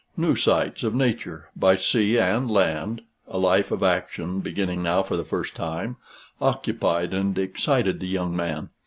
New sights of nature, by sea and land a life of action, beginning now for the first time occupied and excited the young man.